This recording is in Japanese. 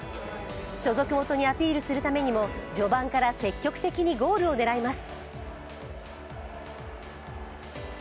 所属元にアピールするためにも序盤から積極的にゴールを狙います。